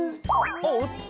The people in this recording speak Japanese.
おっと！